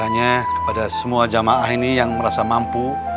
tanya kepada semua jamaah ini yang merasa mampu